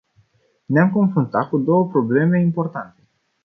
Ne-am confruntat cu două probleme importante.